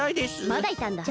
まだいたんだ。